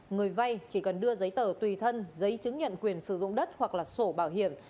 người vay chỉ cần đưa giấy tờ tùy thân giấy chứng nhận quyền sử dụng đất hoặc là sổ bảo hiểm